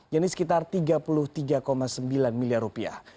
yang ini sekitar tiga puluh tiga sembilan miliar rupiah